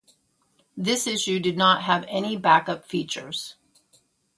This issue did not have any backup features.